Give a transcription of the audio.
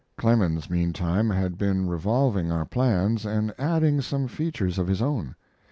Clemens, meantime, had been revolving our plans and adding some features of his own.